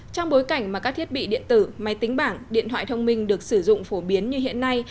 trong bối cảnh mà các thiết bị điện tử máy tính bảng điện thoại thông minh được sử dụng phổ biến như hiện nay